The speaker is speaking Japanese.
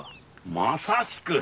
まさしく！